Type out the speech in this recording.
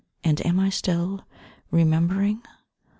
And am I still Remembering?